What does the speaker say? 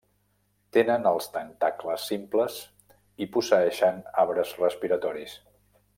Tenen els tentacles simples i posseeixen arbres respiratoris.